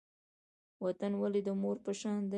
وطن ولې د مور په شان دی؟